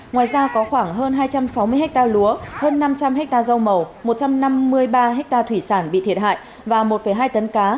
ngoài ra có khoảng hơn hai trăm sáu mươi ha lúa hơn năm trăm linh hectare rau màu một trăm năm mươi ba ha thủy sản bị thiệt hại và một hai tấn cá